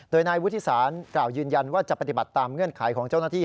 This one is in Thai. โดยนายวุฒิสารกล่าวยืนยันว่าจะปฏิบัติตามเงื่อนไขของเจ้าหน้าที่